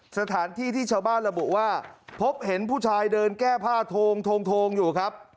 สถานที่ที่ชาวบ้านระบุว่าพบเห็นผู้ชายเดินแก้ผ้าโทงอยู่ครับ